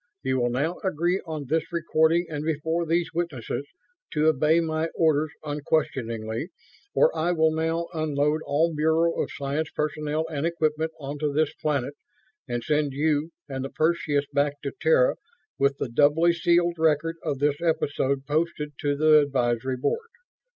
You will now agree on this recording and before these witnesses, to obey my orders unquestioningly or I will now unload all Bureau of Science personnel and equipment onto this planet and send you and the Perseus back to Terra with the doubly sealed record of this episode posted to the Advisory Board.